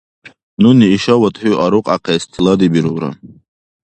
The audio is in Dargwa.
Нуни ишавад хӀу арукьяхъес тиладибирулра!